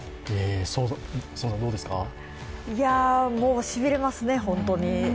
もうしびれますね、ホントに。